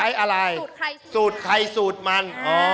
ปลานิน